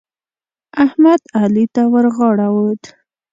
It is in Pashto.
احمد؛ علي ته ورغاړه وت.